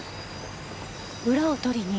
裏を取りに？